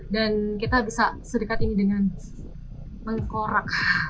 dan kita bisa sedekat ini dengan tengkorak